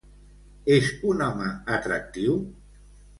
És un home atractiu?